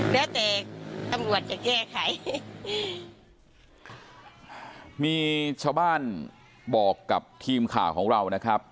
แล้วแต่ตำรวจจะแก้ไขอืมมีชาวบ้านบอกกับทีมข่าวของเรานะครับ